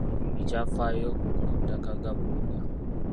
Ekyafaayo ku mutaka Gabunga.